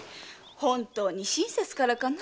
本当に親切からかなあ？